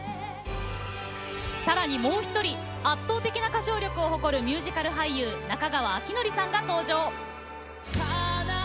さらに、もう一人圧倒的な歌唱力を誇るミュージカル俳優中川晃教さんが登場。